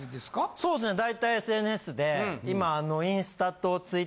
そうですね大体ＳＮＳで今。